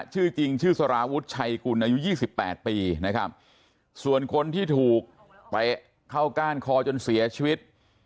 ชื่อจริงชื่อสารวุฒิชัยกุลอายุ๒๘ปีนะครับส่วนคนที่ถูกไปเข้าก้านคอจนเสียชีวิต